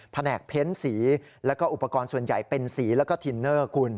แผนกเพ้นสีแล้วก็อุปกรณ์ส่วนใหญ่เป็นสีแล้วก็ทินเนอร์คุณ